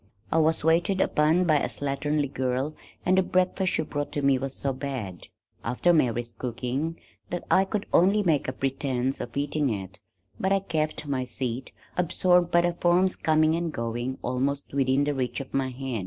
I was waited upon by a slatternly girl and the breakfast she brought to me was so bad (after Mary's cooking) that I could only make a pretense of eating it, but I kept my seat, absorbed by the forms coming and going, almost within the reach of my hand.